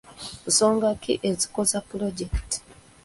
Nsonga ki ezikosa pulojekiti?